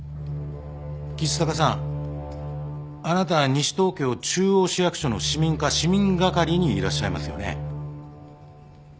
橘高さんあなたは西東京中央市役所の市民課市民係にいらっしゃいますよね。